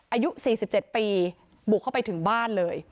อายุสี่สิบเจ็ดปีบุกเข้าไปถึงบ้านเลย